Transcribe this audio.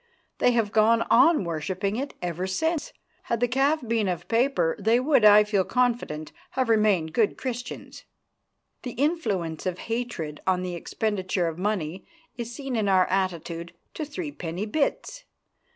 They have gone on worshipping it ever since. Had the calf been of paper, they would, I feel confident, have remained good Christians. The influence of hatred on the expenditure of money is seen in our attitude to threepenny bits.